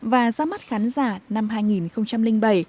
và ra mắt khán giả năm hai nghìn bảy